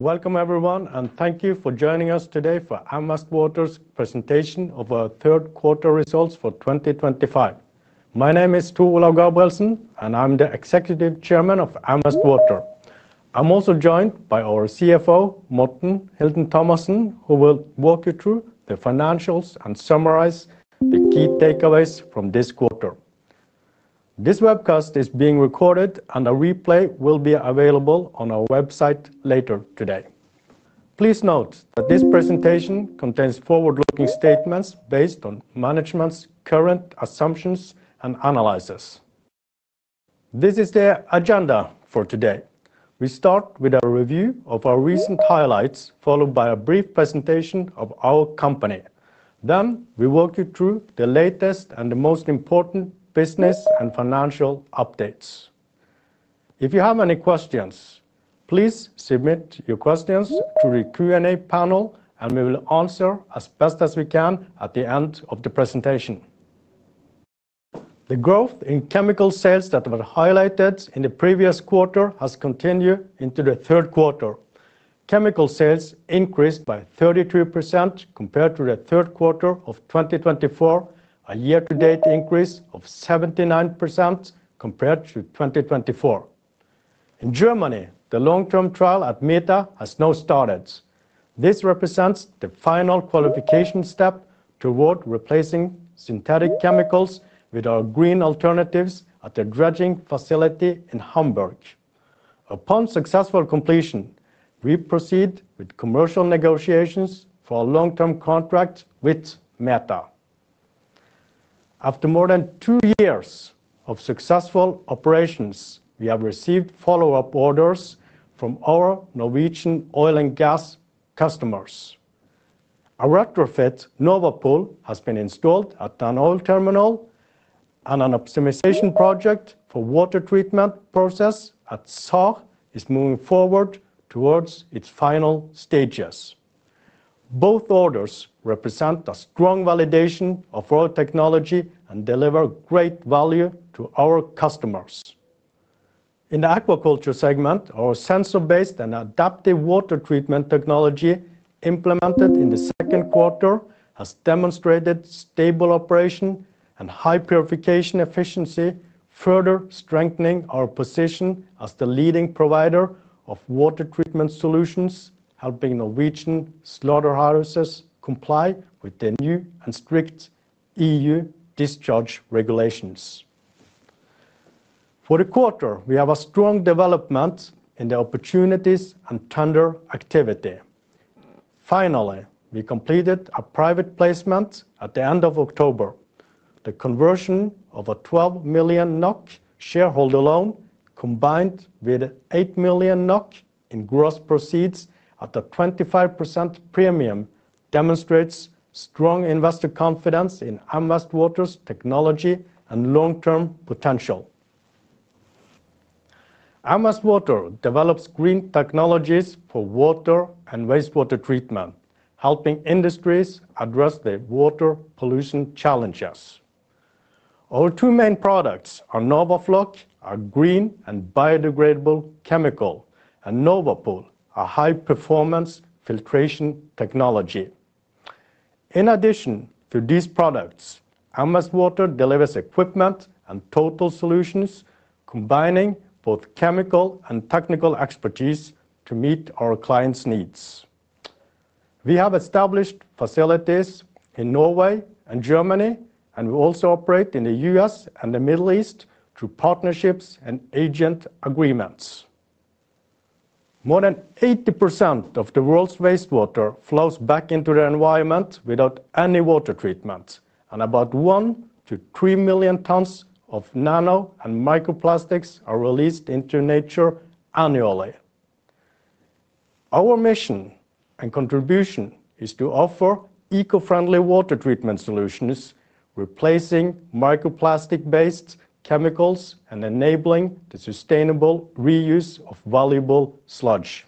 Welcome, everyone, and thank you for joining us today for M Vest Water's presentation of our third quarter results for 2025. My name is Tor Olav Gabrielsen, and I'm the Executive Chairman of M Vest Water. I'm also joined by our CFO, Morten Hilton Thomassen, who will walk you through the financials and summarize the key takeaways from this quarter. This webcast is being recorded, and a replay will be available on our website later today. Please note that this presentation contains forward-looking statements based on management's current assumptions and analysis. This is the agenda for today. We start with a review of our recent highlights, followed by a brief presentation of our company. Then we walk you through the latest and the most important business and financial updates. If you have any questions, please submit your questions to the Q&A panel, and we will answer as best as we can at the end of the presentation. The growth in chemical sales that were highlighted in the previous quarter has continued into the third quarter. Chemical sales increased by 33% compared to the third quarter of 2024, a year-to-date increase of 79% compared to 2024. In Germany, the long-term trial at METHA has now started. This represents the final qualification step toward replacing synthetic chemicals with our green alternatives at the dredging facility in Hamburg. Upon successful completion, we proceed with commercial negotiations for a long-term contract with METHA. After more than two years of successful operations, we have received follow-up orders from our Norwegian oil and gas customers. A retrofit NORWAPOL has been installed at Norwegian Oil Terminal, and an optimization project for the water treatment process at SAR is moving forward towards its final stages. Both orders represent a strong validation of our technology and deliver great value to our customers. In the aquaculture segment, our sensor-based and adaptive water treatment technology implemented in the second quarter has demonstrated stable operation and high purification efficiency, further strengthening our position as the leading provider of water treatment solutions, helping Norwegian slaughterhouses comply with the new and strict EU discharge regulations. For the quarter, we have a strong development in the opportunities and tender activity. Finally, we completed a private placement at the end of October. The conversion of a 12 million NOK shareholder loan, combined with 8 million NOK in gross proceeds at a 25% premium, demonstrates strong investor confidence in M Vest Water's technology and long-term potential. Vest Water develops green technologies for water and wastewater treatment, helping industries address the water pollution challenges. Our two main products, NORWAFLOC, are green and biodegradable chemicals, and NORWAPOL, a high-performance filtration technology. In addition to these products, M Vest Water delivers equipment and total solutions, combining both chemical and technical expertise to meet our clients' needs. We have established facilities in Norway and Germany, and we also operate in the U.S. and the Middle East through partnerships and agent agreements. More than 80% of the world's wastewater flows back into the environment without any water treatment, and about 1-3 million tons of nano and microplastics are released into nature annually. Our mission and contribution is to offer eco-friendly water treatment solutions, replacing microplastic-based chemicals and enabling the sustainable reuse of valuable sludge.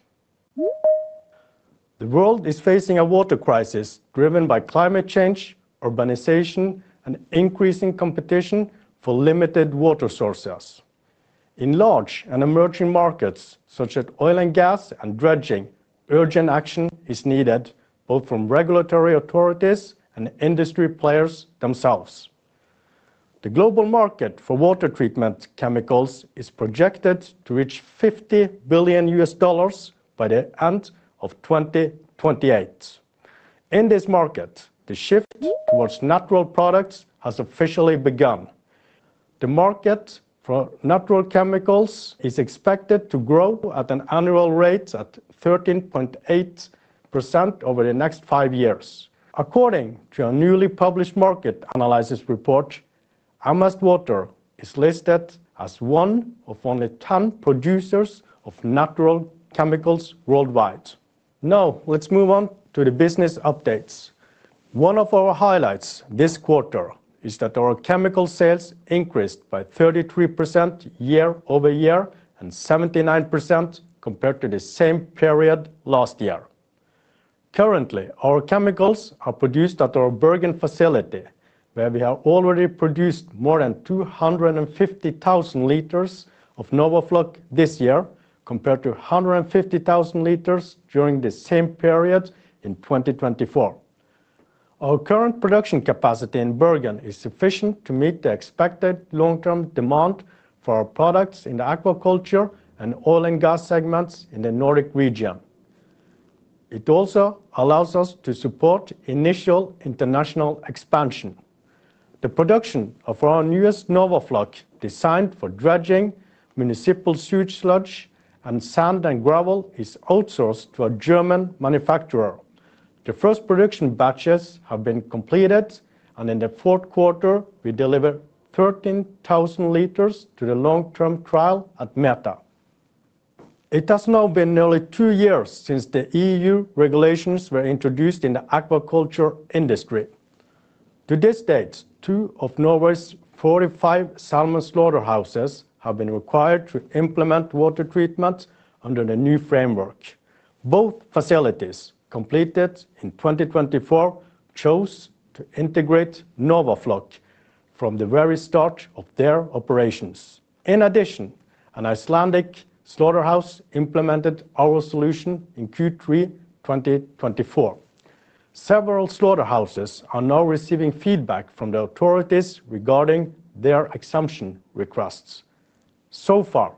The world is facing a water crisis driven by climate change, urbanization, and increasing competition for limited water sources. In large and emerging markets such as oil and gas and dredging, urgent action is needed both from regulatory authorities and industry players themselves. The global market for water treatment chemicals is projected to reach $50 billion by the end of 2028. In this market, the shift towards natural products has officially begun. The market for natural chemicals is expected to grow at an annual rate at 13.8% over the next five years. According to a newly published market analysis report, M Vest Water is listed as one of only 10 producers of natural chemicals worldwide. Now, let's move on to the business updates. One of our highlights this quarter is that our chemical sales increased by 33% year-over-year and 79% compared to the same period last year. Currently, our chemicals are produced at our Bergen facility, where we have already produced more than 250,000 liters of NORWAFLOC this year, compared to 150,000 liters during the same period in 2023. Our current production capacity in Bergen is sufficient to meet the expected long-term demand for our products in the aquaculture and oil and gas segments in the Nordic region. It also allows us to support initial international expansion. The production of our newest NORWAFLOC, designed for dredging, municipal sewage sludge, and sand and gravel, is outsourced to a German manufacturer. The first production batches have been completed, and in the fourth quarter, we delivered 13,000 liters to the long-term trial at METHA. It has now been nearly two years since the EU discharge regulations were introduced in the aquaculture industry. To this date, two of Norway's 45 salmon slaughterhouses have been required to implement water treatment under the new framework. Both facilities, completed in 2024, chose to integrate NORWAFLOC from the very start of their operations. In addition, an Icelandic slaughterhouse implemented our solution in Q3 2024. Several slaughterhouses are now receiving feedback from the authorities regarding their exemption requests. So far,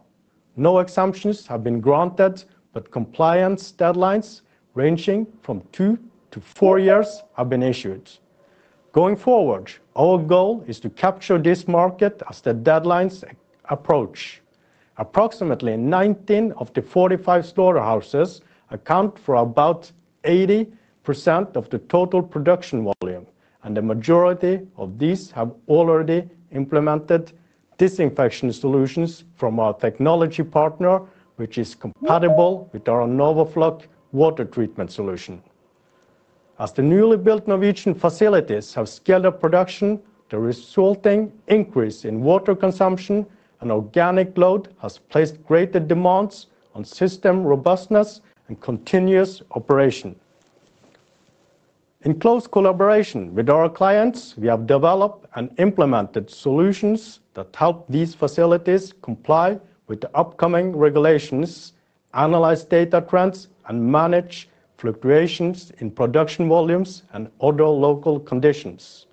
no exemptions have been granted, but compliance deadlines ranging from two to four years have been issued. Going forward, our goal is to capture this market as the deadlines approach. Approximately 19 of the 45 slaughterhouses account for about 80% of the total production volume, and the majority of these have already implemented disinfection solutions from our technology partner, which is compatible with our NORWAFLOC water treatment solution. As the newly built Norwegian facilities have scaled up production, the resulting increase in water consumption and organic load has placed greater demands on system robustness and continuous operation. In close collaboration with our clients, we have developed and implemented solutions that help these facilities comply with the upcoming regulations, analyze data trends, and manage fluctuations in production volumes and other local conditions.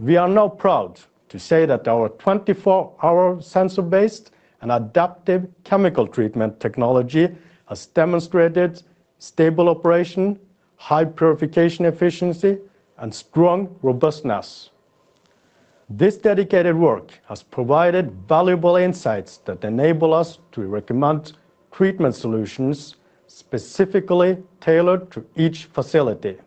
We are now proud to say that our 24-hour sensor-based and adaptive chemical treatment technology has demonstrated stable operation, high purification efficiency, and strong robustness. This dedicated work has provided valuable insights that enable us to recommend treatment solutions specifically tailored to each facility.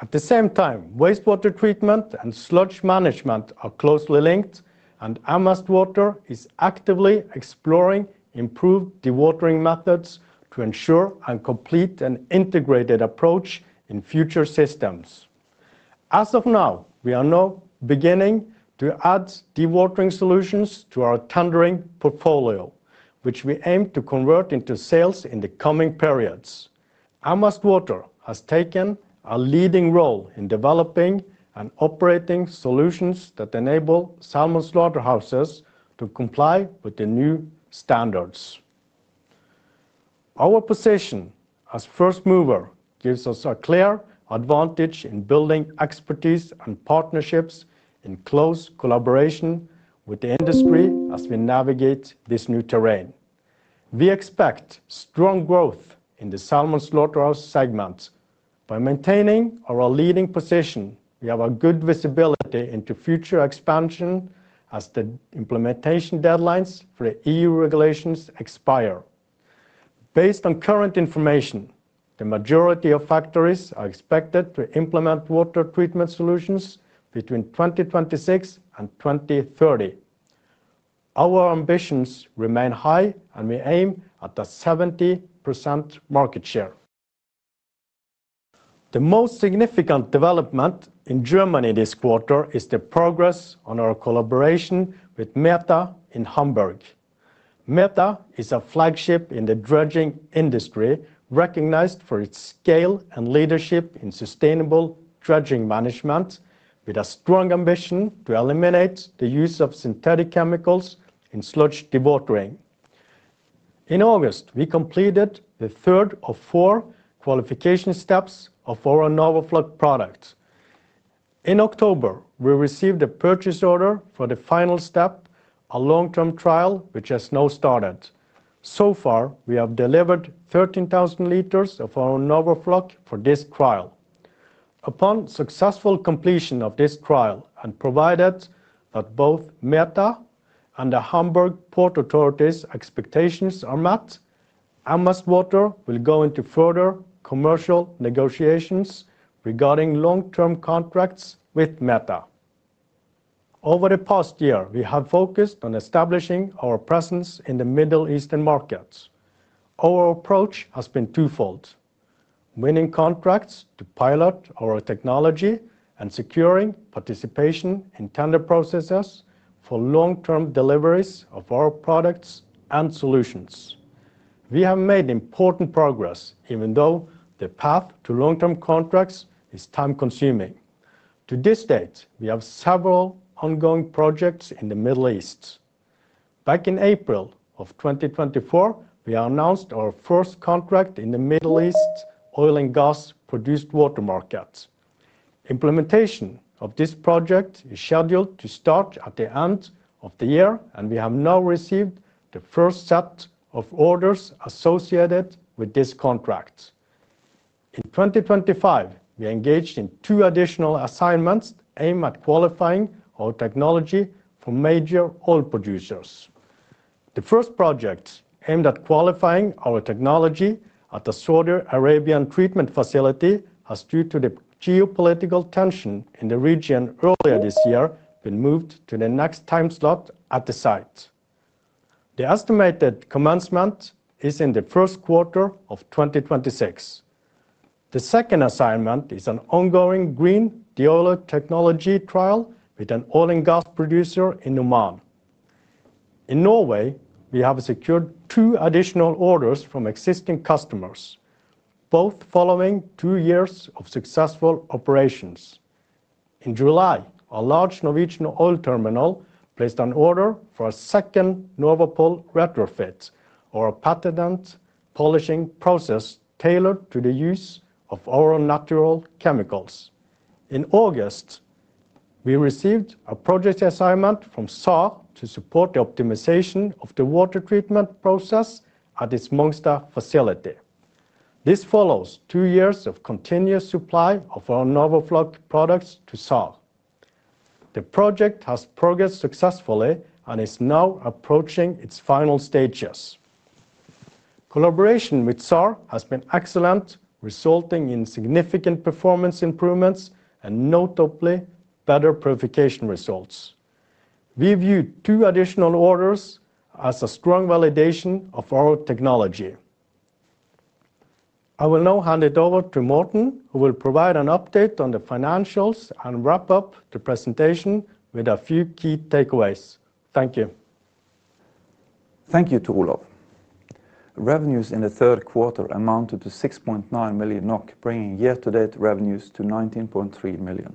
At the same time, wastewater treatment and sludge management are closely linked, and M Vest Water is actively exploring improved dewatering methods to ensure a complete and integrated approach in future systems. As of now, we are now beginning to add dewatering solutions to our tendering portfolio, which we aim to convert into sales in the coming periods. M Vest Water has taken a leading role in developing and operating solutions that enable salmon slaughterhouses to comply with the new standards. Our position as first mover gives us a clear advantage in building expertise and partnerships in close collaboration with the industry as we navigate this new terrain. We expect strong growth in the salmon slaughterhouse segment. By maintaining our leading position, we have a good visibility into future expansion as the implementation deadlines for the EU regulations expire. Based on current information, the majority of factories are expected to implement water treatment solutions between 2026 and 2030. Our ambitions remain high, and we aim at a 70% market share. The most significant development in Germany this quarter is the progress on our collaboration with METHA in Hamburg. METHA is a flagship in the dredging industry, recognized for its scale and leadership in sustainable dredging management, with a strong ambition to eliminate the use of synthetic chemicals in sludge dewatering. In August, we completed the third of four qualification steps of our NORWAFLOC product. In October, we received a purchase order for the final step, a long-term trial, which has now started. So far, we have delivered 13,000 liters of our NORWAFLOC for this trial. Upon successful completion of this trial and provided that both METHA and the Hamburg Port Authority's expectations are met, M Vest Water will go into further commercial negotiations regarding long-term contracts with METHA. Over the past year, we have focused on establishing our presence in the Middle Eastern markets. Our approach has been twofold: winning contracts to pilot our technology and securing participation in tender processes for long-term deliveries of our products and solutions. We have made important progress, even though the path to long-term contracts is time-consuming. To this date, we have several ongoing projects in the Middle East. Back in April of 2024, we announced our first contract in the Middle East oil and gas produced water market. Implementation of this project is scheduled to start at the end of the year, and we have now received the first set of orders associated with this contract. In 2025, we engaged in two additional assignments aimed at qualifying our technology for major oil producers. The first project, aimed at qualifying our technology at the Saudi Arabian treatment facility, has, due to the geopolitical tension in the region earlier this year, been moved to the next time slot at the site. The estimated commencement is in the first quarter of 2026. The second assignment is an ongoing green dealer technology trial with an oil and gas producer in Oman. In Norway, we have secured two additional orders from existing customers, both following two years of successful operations. In July, a large Norwegian oil terminal placed an order for a second NORWAPOL retrofit, or a patented polishing process tailored to the use of our natural chemicals. In August, we received a project assignment from SAR to support the optimization of the water treatment process at its Munster facility. This follows two years of continuous supply of our NORWAFLOC products to SAR. The project has progressed successfully and is now approaching its final stages. Collaboration with SAR has been excellent, resulting in significant performance improvements and notably better purification results. We view two additional orders as a strong validation of our technology. I will now hand it over to Morten, who will provide an update on the financials and wrap up the presentation with a few key takeaways. Thank you. Thank you to Olav. Revenues in the third quarter amounted to 6.9 million NOK, bringing year-to-date revenues to 19.3 million.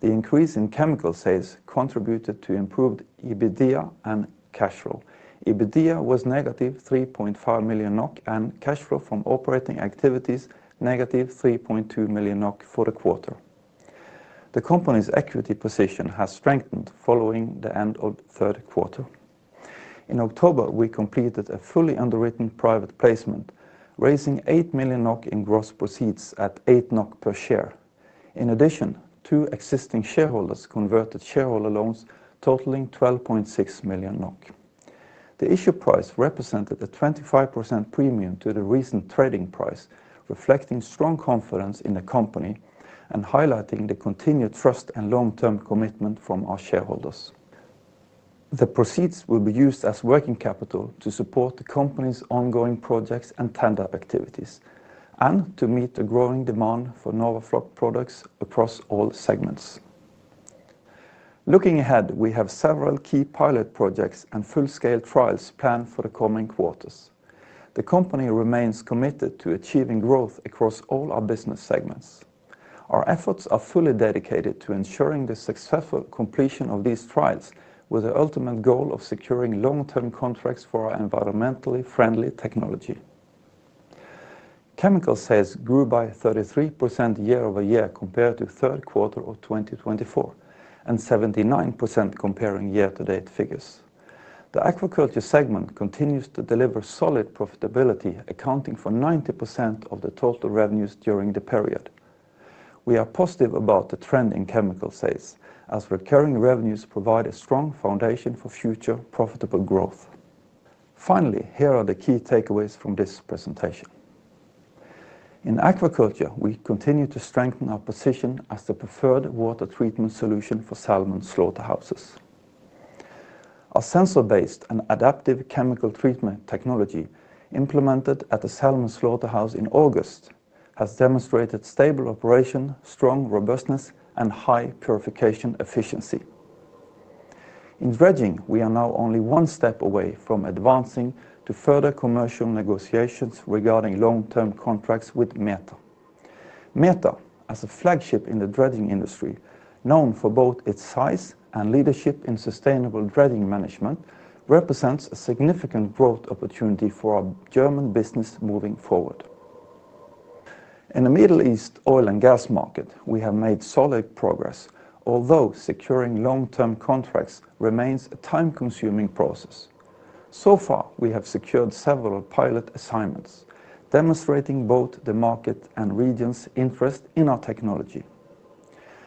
The increase in chemical sales contributed to improved EBITDA and cash flow. EBITDA was negative 3.5 million NOK, and cash flow from operating activities negative 3.2 million NOK for the quarter. The company's equity position has strengthened following the end of the third quarter. In October, we completed a fully underwritten private placement, raising 8 million NOK in gross proceeds at 8 NOK per share. In addition, two existing shareholders converted shareholder loans totaling 12.6 million NOK. The issue price represented a 25% premium to the recent trading price, reflecting strong confidence in the company and highlighting the continued trust and long-term commitment from our shareholders. The proceeds will be used as working capital to support the company's ongoing projects and tender activities, and to meet the growing demand for NORWAFLOC products across all segments. Looking ahead, we have several key pilot projects and full-scale trials planned for the coming quarters. The company remains committed to achieving growth across all our business segments. Our efforts are fully dedicated to ensuring the successful completion of these trials, with the ultimate goal of securing long-term contracts for our environmentally friendly technology. Chemical sales grew by 33% year-over-year compared to third quarter of 2024, and 79% comparing year-to-date figures. The aquaculture segment continues to deliver solid profitability, accounting for 90% of the total revenues during the period. We are positive about the trend in chemical sales, as recurring revenues provide a strong foundation for future profitable growth. Finally, here are the key takeaways from this presentation. In aquaculture, we continue to strengthen our position as the preferred water treatment solution for salmon slaughterhouses. Our sensor-based and adaptive chemical treatment technology implemented at the salmon slaughterhouse in August has demonstrated stable operation, strong robustness, and high purification efficiency. In dredging, we are now only one step away from advancing to further commercial negotiations regarding long-term contracts with METHA. METHA, as a flagship in the dredging industry, known for both its size and leadership in sustainable dredging management, represents a significant growth opportunity for our German business moving forward. In the Middle East oil and gas market, we have made solid progress, although securing long-term contracts remains a time-consuming process. So far, we have secured several pilot assignments, demonstrating both the market and region's interest in our technology.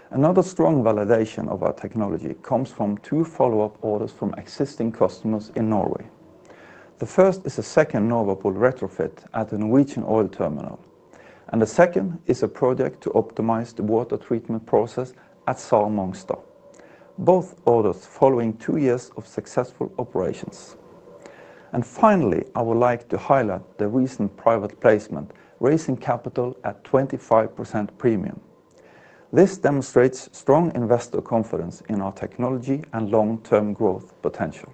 Another strong validation of our technology comes from two follow-up orders from existing customers in Norway. The first is a second NORWAPOL retrofit at the Norwegian oil terminal, and the second is a project to optimize the water treatment process at SAR Mongstad. Both orders following two years of successful operations. Finally, I would like to highlight the recent private placement, raising capital at a 25% premium. This demonstrates strong investor confidence in our technology and long-term growth potential.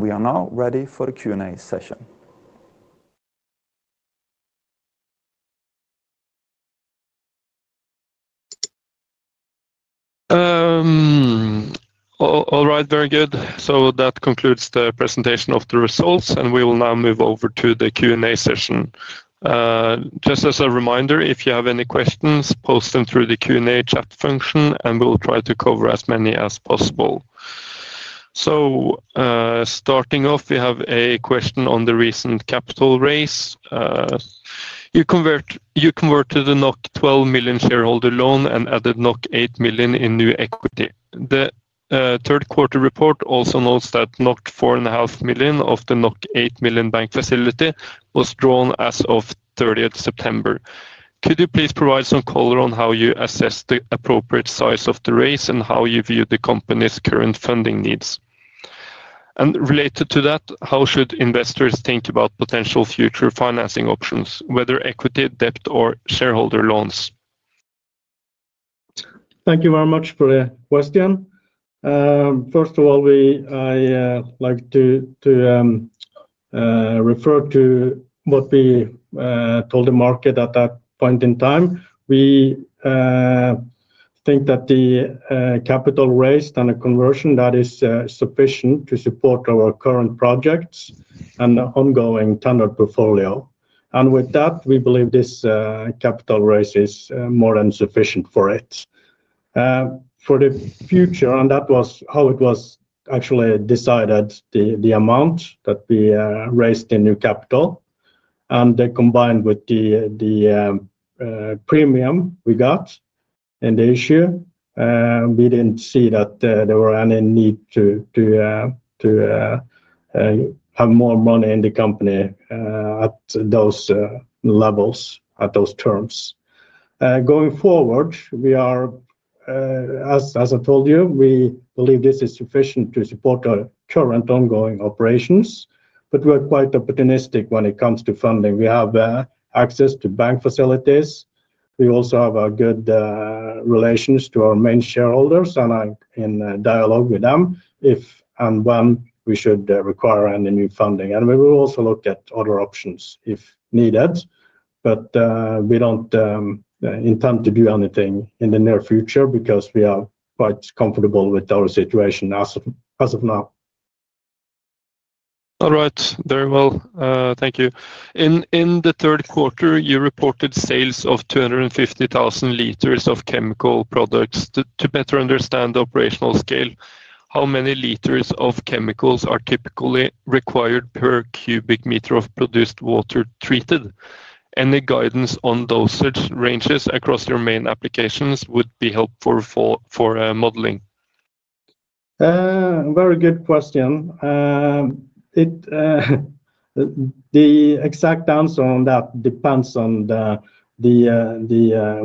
We are now ready for the Q&A session. All right, very good. That concludes the presentation of the results, and we will now move over to the Q&A session. Just as a reminder, if you have any questions, post them through the Q&A chat function, and we'll try to cover as many as possible. Starting off, we have a question on the recent capital raise. You converted a 12 million shareholder loan and added 8 million in new equity. The third quarter report also notes that 4.5 million of the 8 million bank facility was drawn as of 30 September. Could you please provide some color on how you assess the appropriate size of the raise and how you view the company's current funding needs? Related to that, how should investors think about potential future financing options, whether equity, debt, or shareholder loans? Thank you very much for the question. First of all, I'd like to refer to what we told the market at that point in time. We think that the capital raised and the conversion is sufficient to support our current projects and the ongoing tender portfolio. With that, we believe this capital raise is more than sufficient for it. For the future, and that was how it was actually decided, the amount that we raised in new capital, and combined with the premium we got in the issue, we didn't see that there was any need to have more money in the company at those levels, at those terms. Going forward, as I told you, we believe this is sufficient to support our current ongoing operations, but we are quite opportunistic when it comes to funding. We have access to bank facilities. We also have good relations to our main shareholders and are in dialogue with them if and when we should require any new funding. We will also look at other options if needed, but we do not intend to do anything in the near future because we are quite comfortable with our situation as of now. All right, very well. Thank you. In the third quarter, you reported sales of 250,000 liters of chemical products. To better understand the operational scale, how many liters of chemicals are typically required per cubic meter of produced water treated? Any guidance on dosage ranges across your main applications would be helpful for modeling. Very good question. The exact answer on that depends on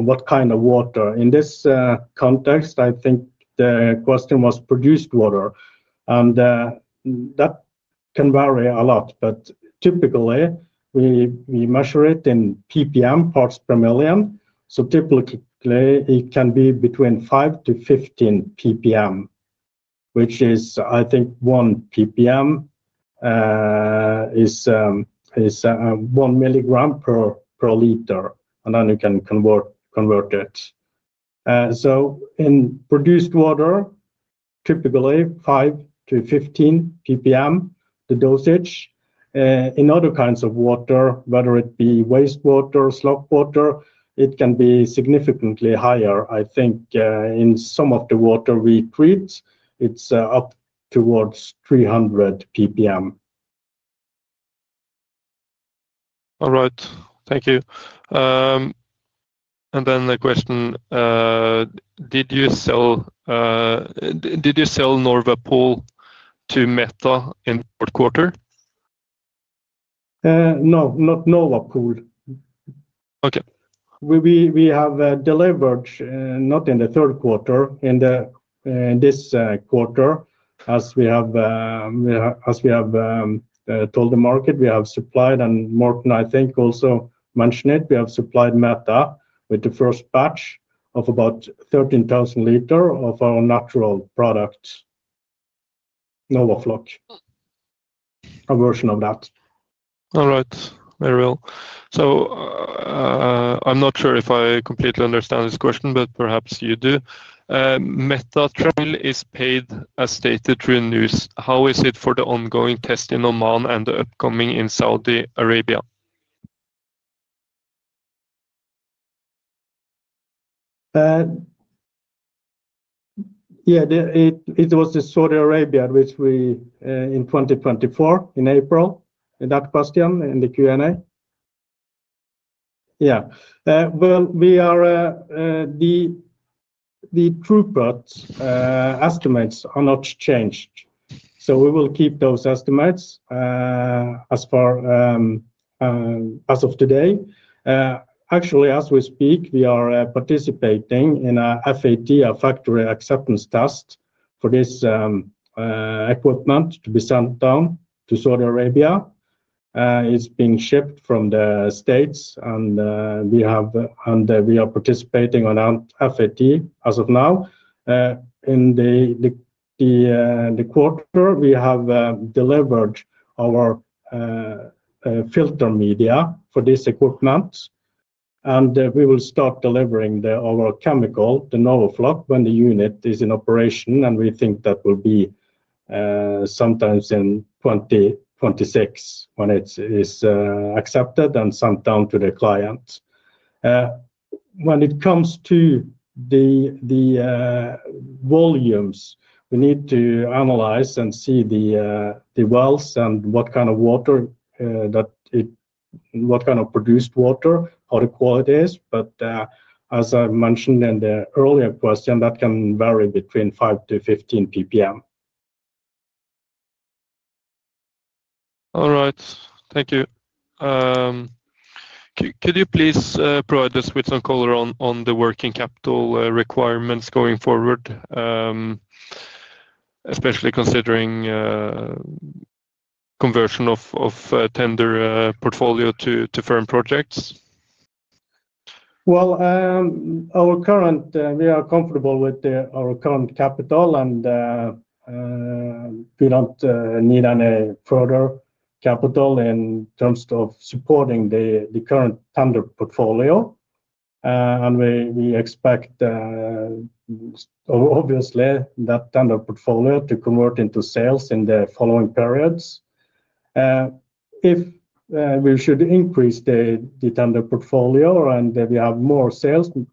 what kind of water. In this context, I think the question was produced water, and that can vary a lot, but typically, we measure it in ppm, parts per million. Typically, it can be between 5-15 ppm, which is, I think, 1 ppm is 1 milligram per liter, and then you can convert it. In produced water, typically 5-15 ppm the dosage. In other kinds of water, whether it be wastewater or slop water, it can be significantly higher. I think in some of the water we treat, it is up towards 300 ppm. All right, thank you. Then the question, did you sell NORWAPOL to METHA in the third quarter? No, not NORWAPOL. Okay. We have delivered not in the third quarter, in this quarter, as we have told the market, we have supplied, and Morten, I think, also mentioned it, we have supplied METHA with the first batch of about 13,000 liters of our natural product, NORWAFLOC, a version of that. All right, very well. I'm not sure if I completely understand this question, but perhaps you do. METHA trial is paid, as stated, through news. How is it for the ongoing test in Oman and the upcoming in Saudi Arabia? Yeah, it was in Saudi Arabia, which we in 2024, in April, in that question, in the Q&A. The true part estimates are not changed, so we will keep those estimates as of today. Actually, as we speak, we are participating in an FAT, a factory acceptance test, for this equipment to be sent down to Saudi Arabia. It's being shipped from the States, and we are participating on FAT as of now. In the quarter, we have delivered our filter media for this equipment, and we will start delivering our chemical, the NORWAFLOC, when the unit is in operation, and we think that will be sometime in 2026 when it is accepted and sent down to the client. When it comes to the volumes, we need to analyze and see the wells and what kind of water, what kind of produced water, how the quality is. As I mentioned in the earlier question, that can vary between 5-15 ppm. All right, thank you. Could you please provide us with some color on the working capital requirements going forward, especially considering conversion of tender portfolio to firm projects? We are comfortable with our current capital, and we do not need any further capital in terms of supporting the current tender portfolio. We expect, obviously, that tender portfolio to convert into sales in the following periods. If we should increase the tender portfolio and we have more sales, the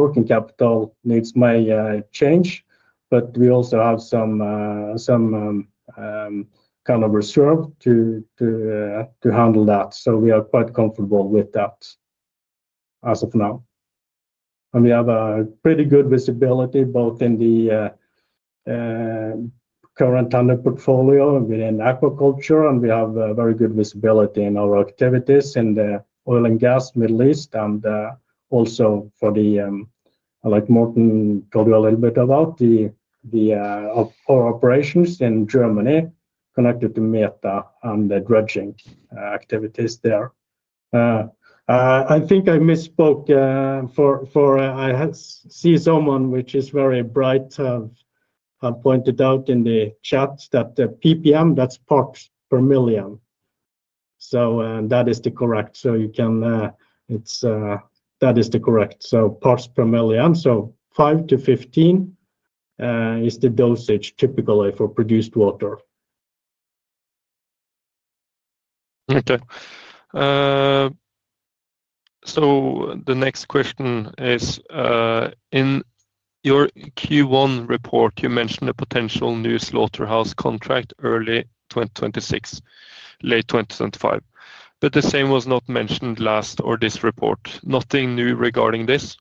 working capital needs may change, but we also have some kind of reserve to handle that. We are quite comfortable with that as of now. We have a pretty good visibility both in the current tender portfolio within aquaculture, and we have very good visibility in our activities in the oil and gas Middle East, and also for the, like Morten told you a little bit about, our operations in Germany connected to METHA and the dredging activities there. I think I misspoke for I see someone, which is very bright, pointed out in the chat that the ppm, that's parts per million. That is correct. Parts per million. Five to 15 is the dosage typically for produced water. Okay. The next question is, in your Q1 report, you mentioned a potential new slaughterhouse contract early 2026, late 2025, but the same was not mentioned last or this report. Nothing new regarding this.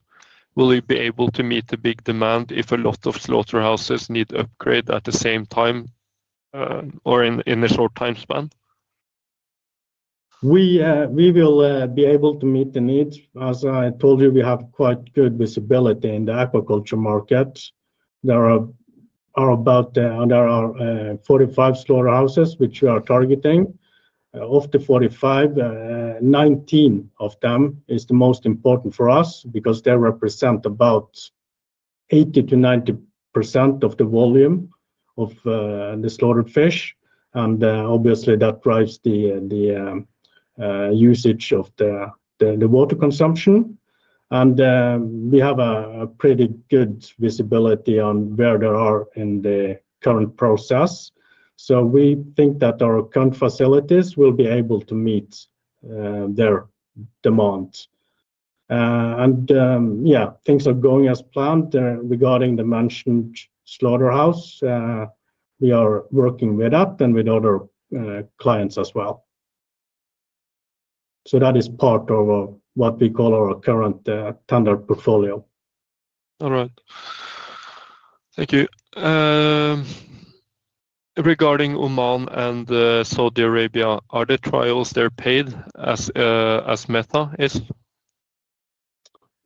Will you be able to meet the big demand if a lot of slaughterhouses need upgrade at the same time or in a short time span? We will be able to meet the need. As I told you, we have quite good visibility in the aquaculture market. There are about 45 slaughterhouses which we are targeting. Of the 45, 19 of them is the most important for us because they represent about 80-90% of the volume of the slaughtered fish, and obviously, that drives the usage of the water consumption. We have a pretty good visibility on where they are in the current process. We think that our current facilities will be able to meet their demand. Yeah, things are going as planned regarding the mentioned slaughterhouse. We are working with that and with other clients as well. That is part of what we call our current tender portfolio. All right. Thank you. Regarding Oman and Saudi Arabia, are the trials there paid as METHA is?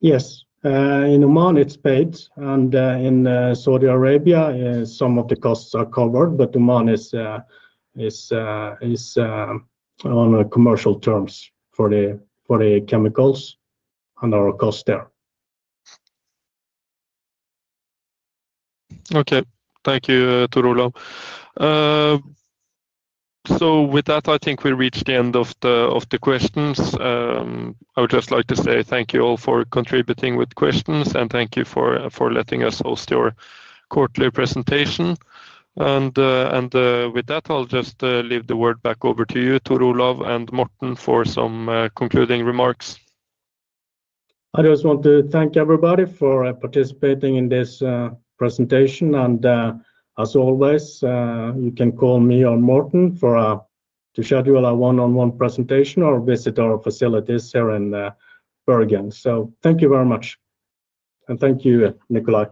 Yes. In Oman, it's paid, and in Saudi Arabia, some of the costs are covered, but Oman is on commercial terms for the chemicals and our costs there. Okay. Thank you, Tor Olav. With that, I think we reached the end of the questions. I would just like to say thank you all for contributing with questions, and thank you for letting us host your quarterly presentation. With that, I'll just leave the word back over to you, Tor Olav and Morten, for some concluding remarks. I just want to thank everybody for participating in this presentation. As always, you can call me or Morten to schedule a one-on-one presentation or visit our facilities here in Bergen. Thank you very much. Thank you, Nicola.